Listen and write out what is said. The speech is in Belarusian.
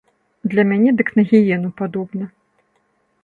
Для мяне дык на гіену падобна.